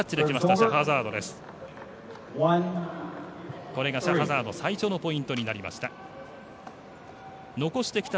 シャハザード最初のポイントになりました。